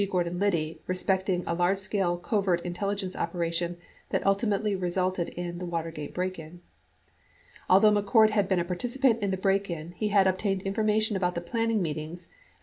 Gordon Liddy respecting a large scale covert intelligence operation that ultimately resulted in the Watergate break in. Although McCord had been a participant in the break in, he had obtained information about the planning meetings and the later pay 6 Professor Arthur S.